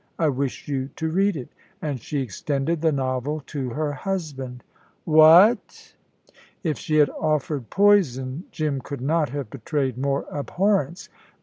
I wish you to read it"; and she extended the novel to her husband. "What!!!" If she had offered poison Jim could not have betrayed more abhorrence.